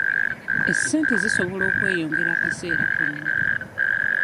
Essente zisobola okweyongera akaseera konna.